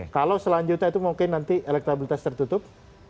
kalau selanjutnya itu mungkin nanti elektabilitas tertutup